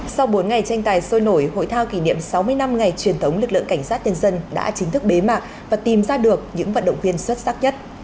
sau bốn ngày tranh tài sôi nổi hội thao kỷ niệm sáu mươi năm ngày truyền thống lực lượng cảnh sát nhân dân đã chính thức bế mạc và tìm ra được những vận động viên xuất sắc nhất